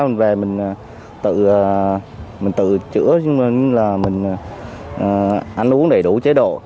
mình về mình tự chữa cho nên là mình ăn uống đầy đủ chế độ